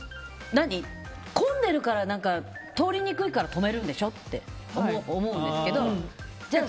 混んでるから、通りにくいから止めるんでしょって思うんですけど。